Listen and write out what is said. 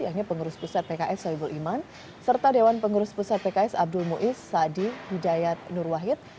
yakni pengurus pusat pks soebul iman serta dewan pengurus pusat pks abdul muiz saadi hidayat nurwahid